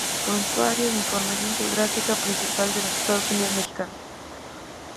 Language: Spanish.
Prontuario de información geográfica municipal de los Estados Unidos mexicanos.